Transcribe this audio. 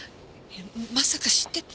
まさか知ってて！？